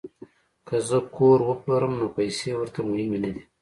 که زه کور وپلورم نو پیسې ورته مهمې نه دي